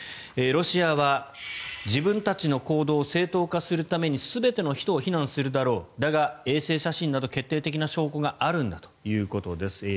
ロシアは自分たちの行動を正当化するために全ての人を非難するだろうだが衛星写真など決定的証拠があるんだということです。